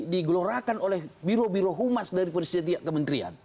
digelorakan oleh biro biro humas dari setiap kementerian